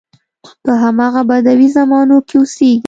په همغه بدوي زمانو کې اوسېږي.